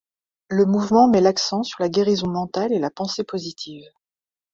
Le mouvement met l'accent sur la guérison mentale et la pensée positive.